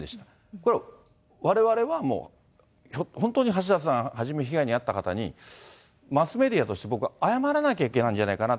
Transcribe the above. これはわれわれはもう本当に橋田さんはじめ、被害に遭った方に、マスメディアとして、僕は謝らなきゃいけないんじゃないかな。